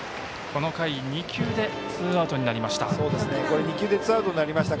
この回、２球でツーアウトになりました。